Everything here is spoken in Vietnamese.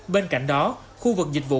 bên cạnh đó khu vực dịch vụ